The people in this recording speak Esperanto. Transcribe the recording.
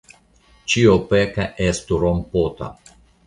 Ĉio peka estu rompota.